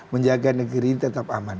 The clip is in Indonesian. menjaga negeri tetap aman